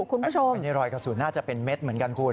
คุณผู้ชมอันนี้รอยกระสุนน่าจะเป็นเม็ดเหมือนกันคุณ